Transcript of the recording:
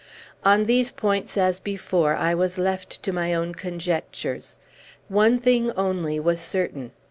On these points, as before, I was left to my own conjectures. One thing, only, was certain.